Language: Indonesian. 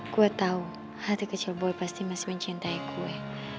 gue tau hati kecil boy pasti masih mencintai gue